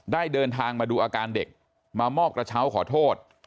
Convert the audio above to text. ได้เดินทางมาดูอาการเด็กมามอบกระเช้าขอโทษ